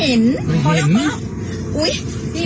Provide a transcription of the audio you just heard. ไป